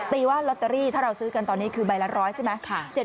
ตีว่าลอตเตอรี่ถ้าเราซื้อกันตอนนี้คือใบละ๑๐๐ใช่ไหม